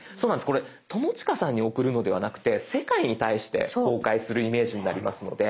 これ友近さんに送るのではなくて世界に対して公開するイメージになりますので。